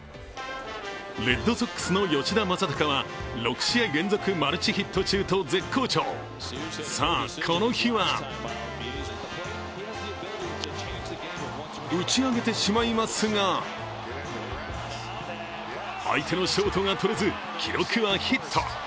レッドソックスの吉田正尚は６試合連続マルチヒット中と絶好調さあ、この日は打ち上げてしまいますが相手のショートが捕れず記録はヒット。